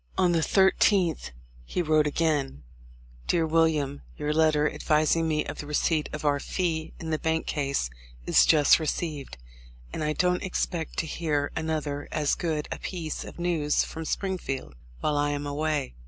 On the 13th, he wrote again: ''Dear William: — Your letter, advising me of the receipt of our fee in the bank case, is just received, and I don't expect to hear another as good a piece of news from Springfield while I am away."